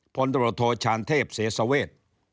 พลตรวจโทรชาญเทพเสียเสวร์เวท